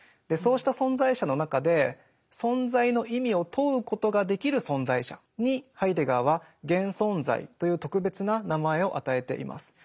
そうした存在者の中で存在の意味を問うことができる存在者にハイデガーは「現存在」という特別な名前を与えています。